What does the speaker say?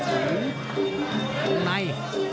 เท่านัย